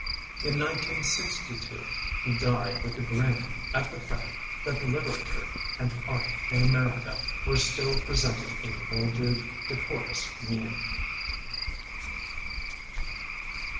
In 1962 He died with a grin at the fact That literature and art in America Were still presenting a mildewed, decorous mien.